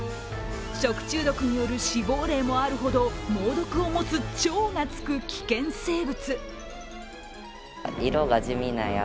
食中毒による死亡例もあるほど猛毒を持つ超がつく危険生物。